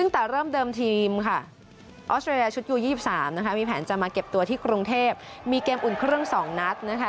การชุดอยู่๒๓มีแผนจะมาเก็บตัวที่กรุงเทพมีเกมอุ่นเครื่องสองนัดนะคะ